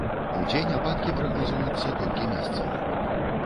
Удзень ападкі прагназуюцца толькі месцамі.